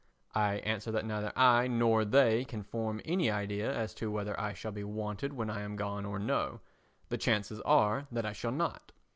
I answer that neither I nor they can form any idea as to whether I shall be wanted when I am gone or no. The chances are that I shall not.